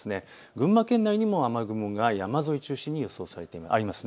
群馬県内にも雨雲が山沿いを中心にあります。